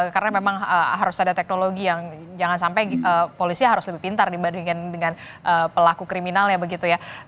karena memang harus ada teknologi yang jangan sampai polisi harus lebih pintar dibandingkan dengan pelaku kriminal ya begitu ya